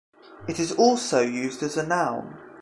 It is also used as a noun.